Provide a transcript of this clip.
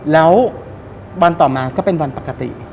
แล้ววันต่อมาก็เป็นวันปกติ